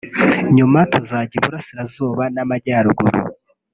nyuma tujya Iburasirazuba n’Amajyaruguru